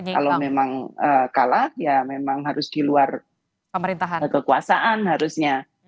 kalau memang kalah ya memang harus di luar kekuasaan harusnya